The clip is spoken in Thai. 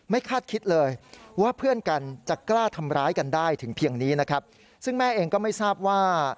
คาดคิดเลยว่าเพื่อนกันจะกล้าทำร้ายกันได้ถึงเพียงนี้นะครับซึ่งแม่เองก็ไม่ทราบว่า